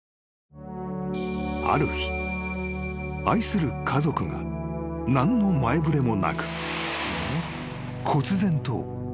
［ある日愛する家族が何の前触れもなく］